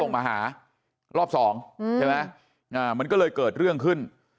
มันก็เลยเกิดเรื่องขึ้น